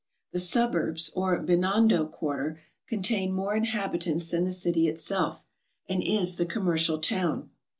The suburbs, or Binondo quarter, contain more inhab itants than the city itself, and is the commercial town.